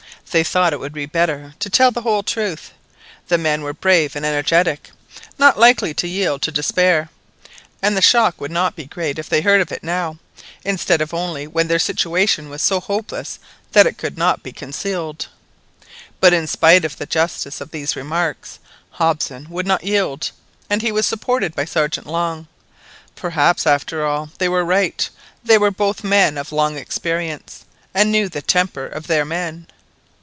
They thought it would be better to tell the whole truth; the men were brave and energetic, not likely to yield to despair, and the shock would not be great if they heard of it now, instead of only when their situation was so hopeless that it could not be concealed. But in spite of the justice of these remarks, Hobson would not yield, and he was supported by Sergeant Long. Perhaps, after all, they were right; they were both men of long experience, and knew the temper of their men.